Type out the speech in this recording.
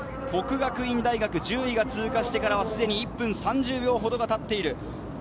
國學院大学、１０位が通過してから１分３０秒ほどがたっている。